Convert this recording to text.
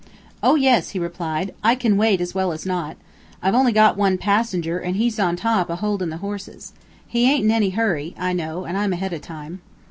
"Oh yes!" he replied. "I kin wait, as well as not. I've only got one passenger, an' he's on top, a holdin' the horses. He aint in any hurry, I know, an' I'm ahead o' time."